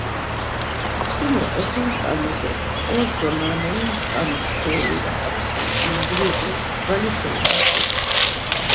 Kçini oxinǩanu do ordzo na moinktu steri raǩanişen ingrinu, ğalişa uǩap̌u.